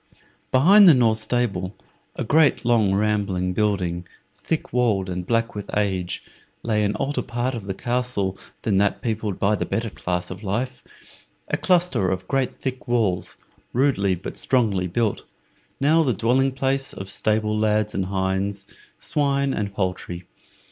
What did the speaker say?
Behind the north stable, a great, long, rambling building, thick walled, and black with age, lay an older part of the castle than that peopled by the better class of life a cluster of great thick walls, rudely but strongly built, now the dwelling place of stable lads and hinds, swine and poultry.